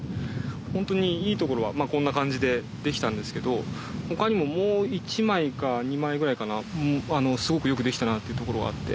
本当にいいところはこんな感じでできたんですけど他にももう１枚か２枚ぐらいかなすごく良くできたなっていうところあって。